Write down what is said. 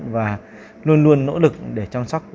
và luôn luôn nỗ lực để chăm sóc